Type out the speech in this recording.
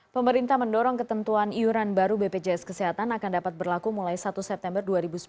pemerintah mendorong ketentuan iuran baru bpjs kesehatan akan dapat berlaku mulai satu september dua ribu sembilan belas